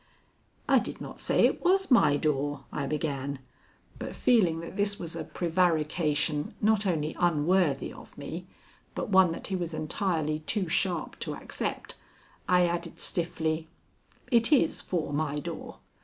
"I did not say it was my door," I began, but, feeling that this was a prevarication not only unworthy of me, but one that he was entirely too sharp to accept, I added stiffly: "It is for my door.